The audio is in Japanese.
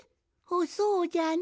そうじゃのう。